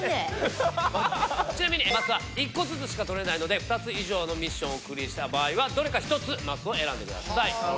ちなみにマスは１個ずつしか取れないので２つ以上のミッションをクリアした場合はどれか１つマスを選んでください。